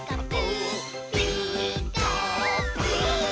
「ピーカーブ！」